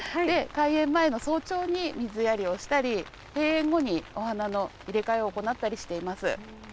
開園前の早朝に水やりをしたり、閉園後にお花の入れ替えを行ったりしています。